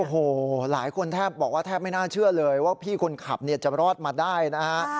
โอ้โหหลายคนแทบบอกว่าแทบไม่น่าเชื่อเลยว่าพี่คนขับเนี่ยจะรอดมาได้นะฮะ